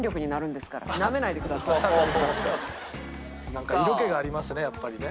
なんか色気がありますねやっぱりね。